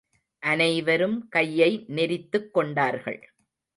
அனைவரும் கையை நெரித்துக் கொண்டார்கள்.